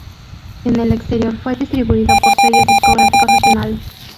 En el exterior fue distribuido por sellos discográficos regionales.